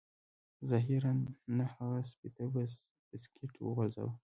ظاهراً نه هغه سپي ته بسکټ وغورځاوه